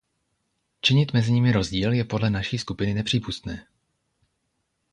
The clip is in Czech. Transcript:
Činit mezi nimi rozdíl je podle naší skupiny nepřípustné.